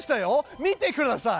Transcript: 見てください！